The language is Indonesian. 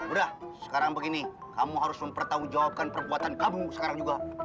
udah sekarang begini kamu harus mempertanggungjawabkan perbuatan kamu sekarang juga